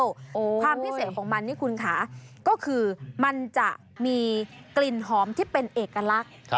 ความพิเศษของมันนี่คุณค่ะก็คือมันจะมีกลิ่นหอมที่เป็นเอกลักษณ์